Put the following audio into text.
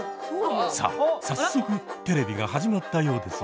・さあ早速テレビが始まったようですよ。